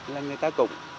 là người ta cũng